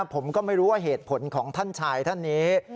ผมก็ไม่รู้ว่าเหตุผลของท่านชายท่านนี้